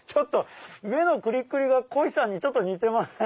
目のくりっくりがこひさんに似てません？